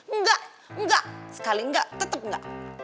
enggak enggak sekali enggak tetap enggak